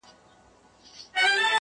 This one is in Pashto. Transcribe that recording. له رویباره مي پوښتمه محلونه د یارانو٫